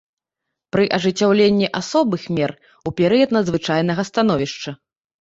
Пры ажыццяўленні асобых мер у перыяд надзвычайнага становішча.